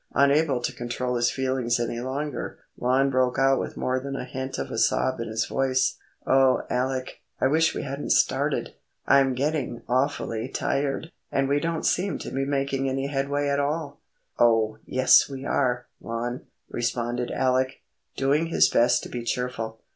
Unable to control his feelings any longer, Lon broke out with more than a hint of a sob in his voice,— "O Alec, I wish we hadn't started! I'm getting awfully tired, and we don't seem to be making any headway at all." "Oh, yes we are, Lon," responded Alec, doing his best to be cheerful.